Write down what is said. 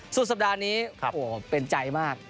สุดสัปดาห์นี้เป็นใจมาก